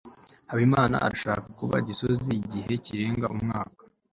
habimana arashaka kuba gisozi igihe kirenga umwaka